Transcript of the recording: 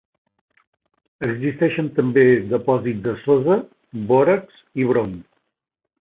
Existeixen també depòsits de sosa, bòrax i brom.